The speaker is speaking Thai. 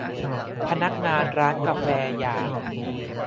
พนักงานร้านกาแฟอย่าง